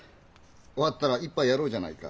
終わったら一杯やろうじゃないか。